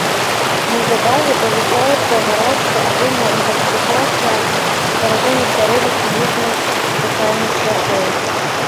Неўзабаве далучаюцца гарачка, агульная інтаксікацыя, паражэнне сярэдніх і ніжніх дыхальных шляхоў.